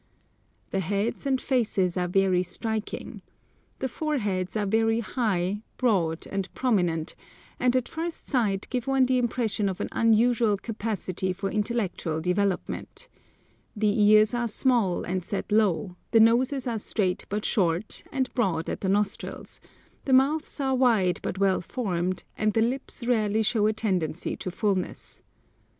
The heads and faces are very striking. The foreheads are very high, broad, and prominent, and at first sight give one the impression [Picture: Ainos of Yezo] of an unusual capacity for intellectual development; the ears are small and set low; the noses are straight but short, and broad at the nostrils; the mouths are wide but well formed; and the lips rarely show a tendency to fulness.